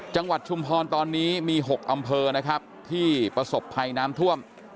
ชุมพรตอนนี้มี๖อำเภอนะครับที่ประสบภัยน้ำท่วม